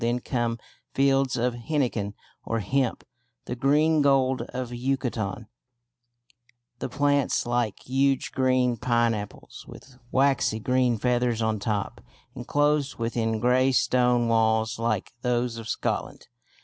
Then come fields of henequen or hemp, "the Green Gold of Yucatan," the plants like huge green pineapples with waxy green feathers on top, enclosed within grey stone walls like those of Scotland.